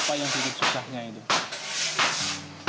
apa yang lebih susahnya itu